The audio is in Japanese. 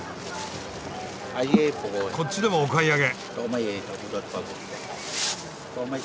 こっちでもお買い上げ。